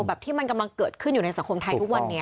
แบบที่มันกำลังเกิดขึ้นอยู่ในสังคมไทยทุกวันนี้